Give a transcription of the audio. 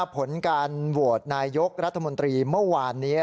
ผลการโหวตนายกรัฐมนตรีเมื่อวานนี้